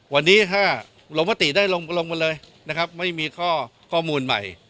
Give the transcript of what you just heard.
วันนี้ถ้ารมศตี้ได้ลงไปเลยไม่มีข้อมูลใหม่